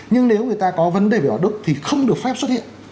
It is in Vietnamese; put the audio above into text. nhưng nếu người ta có vấn đề về đạo đức thì không được phép xuất hiện